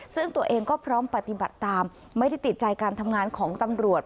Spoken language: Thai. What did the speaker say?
ซึ่งตัวเองก็พร้อมปฏิบัติตามไม่ได้ติดใจการทำงานของตำรวจ